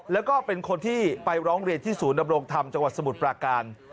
แล้วก็เป็นคนที่ไปร้องเรียนที่ศูนย์ดำรงธรรมจังหวัดสมุทรปราการ